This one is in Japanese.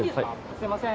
すいません